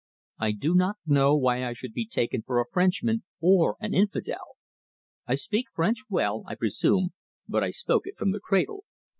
"I do not know why I should be taken for a Frenchman or an infidel. I speak French well, I presume, but I spoke it from the cradle.